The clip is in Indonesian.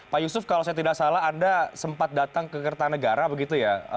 pak yusuf kalau saya tidak salah anda sempat datang ke kertanegara begitu ya